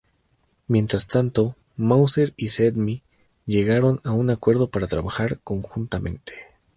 Mientras tanto Mauser y Cetme llegaron a un acuerdo para trabajar conjuntamente.